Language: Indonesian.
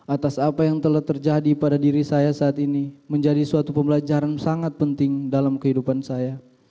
atas apa yang telah terjadi pada diri saya saat ini menjadi suatu pembelajaran sangat penting dalam kehidupan saya